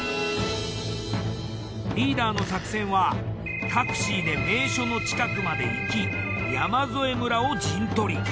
リーダーの作戦はタクシーで名所の近くまで行き山添村を陣取り。